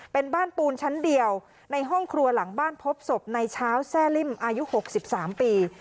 เป็นบ้านปูนชั้นเดียวในห้องครัวหลังบ้านพบศพในเช้าแซ่ลิ่มอายุ๖๓ปี